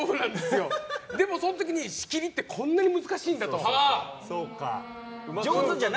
でも、その時に仕切りってこんなに難しいんだと。